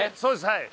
はい！